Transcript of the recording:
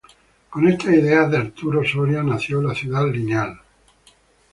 Con estas ideas de Arturo Soria nació la Ciudad Lineal.